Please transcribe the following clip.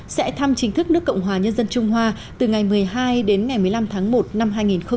sẽ thăm chính thức nước cộng hòa nhân dân trung hoa từ ngày một mươi hai đến ngày một mươi năm tháng một năm hai nghìn hai mươi